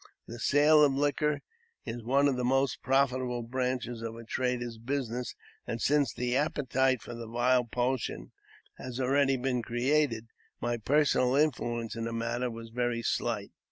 The sale of liquor is one of the most profitable branches of a trader's business, and, since the appetite for the vile potion had already been created, my personal influence in the matter was very slight.